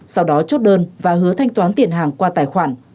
sau đó chốt đơn và hứa thanh toán tiền hàng qua tài khoản